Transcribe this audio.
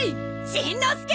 しんのすけ！